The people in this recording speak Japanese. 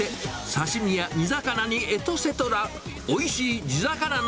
刺身や煮魚にエトセトラ。